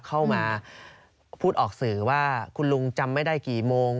เข้ามาพูดออกสื่อว่าคุณลุงจำไม่ได้กี่โมง